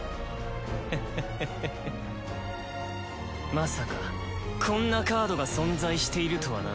まさかこんなカードが存在しているとはな。